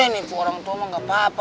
nipu orang tua mah gak apa apa